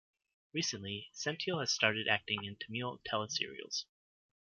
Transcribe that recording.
Recently, Senthil has started acting in Tamil tele-serials.